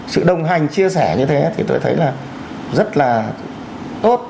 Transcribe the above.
sự đồng hành chia sẻ như thế thì tôi thấy là rất là tốt